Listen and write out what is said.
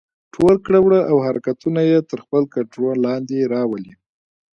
ټول کړه وړه او حرکتونه يې تر خپل کنټرول لاندې راولي.